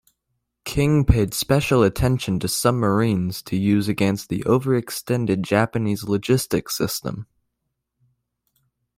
King paid special attention to submarines to use against the overextended Japanese logistics system.